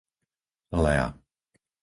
Lea